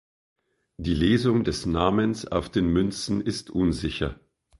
Die Lesung des Namens auf den Münzen ist unsicher.